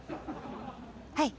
はい。